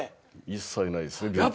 一切ないですね病気は。